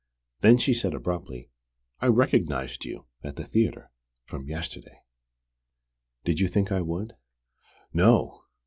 Then she said abruptly: "I recognized you, at the theatre from yesterday. Did you think I would?" "No!"